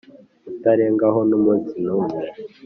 utarengaho n’umunsi n’umwe,